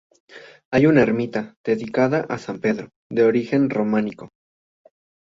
Hay una ermita dedicada a San Pedro, de origen románico.